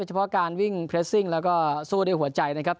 เฉพาะการวิ่งเรสซิ่งแล้วก็สู้ด้วยหัวใจนะครับ